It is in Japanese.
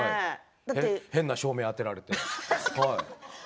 変な照明、当てられて。